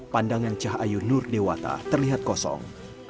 pandangan cahayu nur dewata terlihat kosong